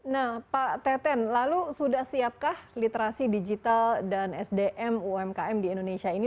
nah pak teten lalu sudah siapkah literasi digital dan sdm umkm di indonesia ini